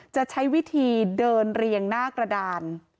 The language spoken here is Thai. จะใช้วิธีเดินเรียงหน้ากระดาน